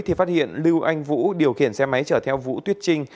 thì phát hiện lưu anh vũ điều khiển xe máy chở theo vũ tuyết trinh